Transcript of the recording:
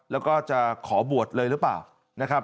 แล้วก็จะขอบวชเลยหรือเปล่านะครับ